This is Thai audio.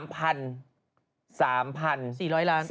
๓๓พัน